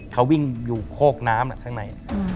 เขาวิ่งอยู่โคกน้ำข้างใน